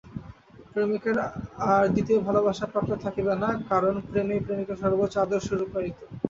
প্রেমিকের আর দ্বিতীয় ভালবাসার পাত্র থাকিবে না, কারণ প্রেমেই প্রেমিকের সর্বোচ্চ আদর্শ রূপায়িত।